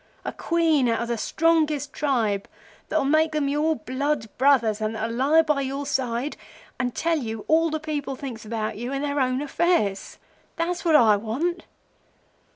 A Queen out of the strongest tribe, that'll make them your blood brothers, and that'll lie by your side and tell you all the people thinks about you and their own affairs. That's what I want.